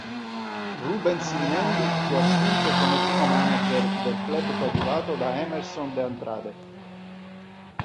Rubens Minelli fu assunto come primo manager del club coadiuvato da Emerson de Andrade.